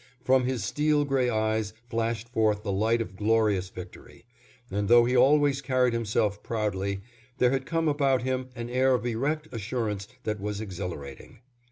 From his steel gray eyes flashed forth the light of glorious victory, and though he always carried himself proudly, there had come about him an air of erect assurance that was exhilarating.